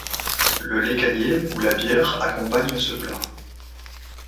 Le lait caillé ou la bière accompagnent ce plat.